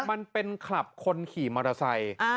มันเป็นคลับคนขี่มอเตอร์ไซค์